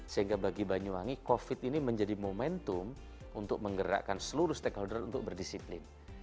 sehingga bagi banyuwangi covid ini menjadi momentum untuk menggerakkan seluruh stakeholder untuk berdisiplin